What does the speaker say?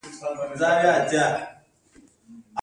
دا اوس څه کیسه شوه.